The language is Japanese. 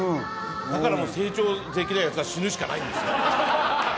だからもう成長できないやつは死ぬしかないんですよ。